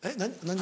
何？